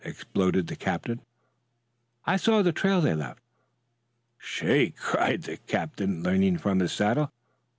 exploded the captain. "I saw the trail they left." "Shake!" cried the captain leaning from his saddle.